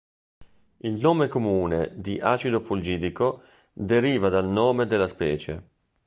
Il nome comune di "acido fulgidico" deriva dal nome della specie.